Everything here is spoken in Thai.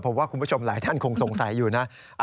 ผมว่าคุณผู้ชมหลายท่านคงสงสัยอยู่นะ